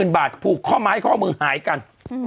บาทผูกข้อไม้ข้อมือหายกัน